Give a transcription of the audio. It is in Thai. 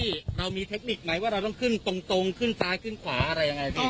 เรามีเทคนิคไหมว่าเราต้องขึ้นตรงขึ้นซ้ายขึ้นขวาอะไรยังไงพี่